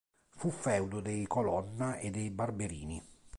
Fu feudo dei Colonna e dei Barberini.